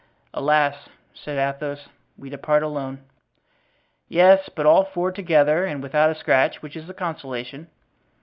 "Alas," said Athos, "we depart alone." "Yes; but all four together and without a scratch; which is a consolation."